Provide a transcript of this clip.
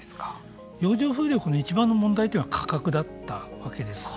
洋上風力の一番の問題点は価格だったわけです。